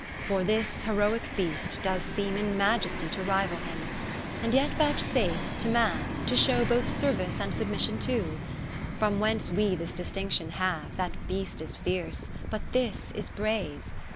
For this heroic beast does seem In majesty to rival him ; And yet vouchsafes, to man, to show Both service and submission too. 10 From whence we this distinction have, That beast is fierce, but this is brave.